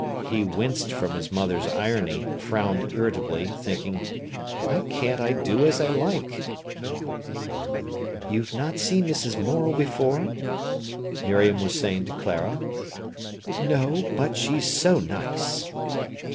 He winced from his mother's irony, frowned irritably, thinking: "Why can't I do as I like?" "You've not seen Mrs. Morel before?" Miriam was saying to Clara. "No; but she's so nice!"